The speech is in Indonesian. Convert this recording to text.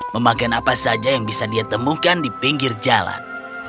memakan apa saja yang bisa dia temukan di pinggir jalan